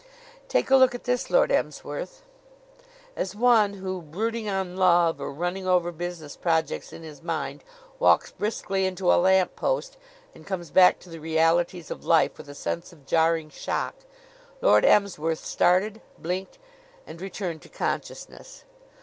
"Take a look at this, Lord Emsworth." As one who, brooding on love or running over business projects in his mind, walks briskly into a lamppost and comes back to the realities of life with a sense of jarring shock, Lord Emsworth started, blinked and returned to consciousness.